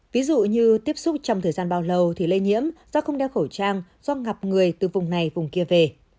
ví dụ như tiếp xúc trong thời gian bao lâu thì lây nhiễm do không đeo khẩu trang do ngập người từ vùng này vùng kia về